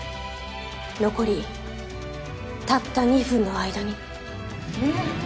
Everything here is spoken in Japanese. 残りたった２分の間に。